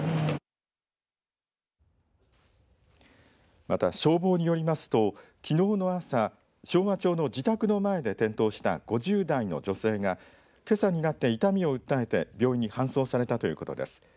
また、消防によりますときのうの朝、昭和町の自宅の前で転倒した５０代の女性がけさになって痛みを訴えて病院に搬送されたということです。